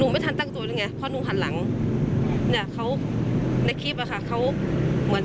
ไม่ได้พูดอะไรเลย